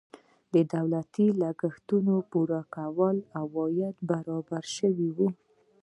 د دولتي لګښتونو د پوره کولو لپاره عواید برابر شوي وای.